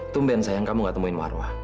tumben sayang kamu gak temuin marwah